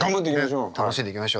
楽しんでいきましょう。